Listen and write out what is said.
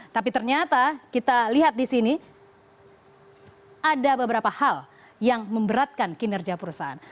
tapi ternyata kita lihat di sini ada beberapa hal yang memberatkan kinerja perusahaan